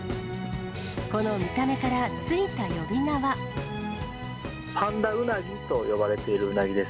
この見た目から、パンダウナギと呼ばれているウナギです。